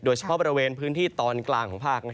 เฉพาะบริเวณพื้นที่ตอนกลางของภาค